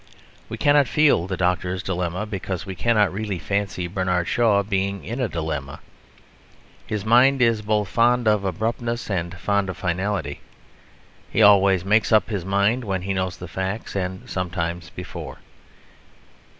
We cannot feel the Doctor's Dilemma, because we cannot really fancy Bernard Shaw being in a dilemma. His mind is both fond of abruptness and fond of finality; he always makes up his mind when he knows the facts and sometimes before.